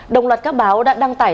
đồng loạt các báo đã đăng tải